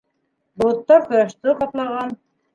Болоттар ҡояшты ҡаплаған